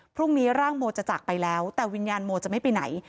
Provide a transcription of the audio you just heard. พรุ่งนี้ร่างโมจะจากไปแล้วแต่วิญญาณโมจะไม่ไปไหน